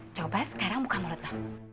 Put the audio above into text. coba sekarang buka mulut lo